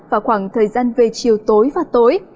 và khoảng thời gian về chiều tối và tối